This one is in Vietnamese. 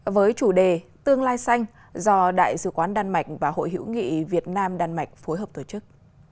với chủ đề tương lai xanh do đại sứ quán đan mạch và hội hữu nghị việt nam đan mạch phối hợp tổ chức